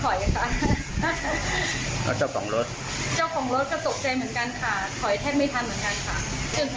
ช่วยกันรุ้นให้รถถอยอ่ะค่ะเจ้าของรถเจ้าของรถก็ตกใจเหมือนกันค่ะถอยแทบไม่ทันเหมือนกันค่ะ